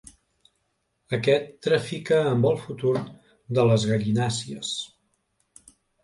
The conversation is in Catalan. Aquest trafica amb el futur de les gallinàcies.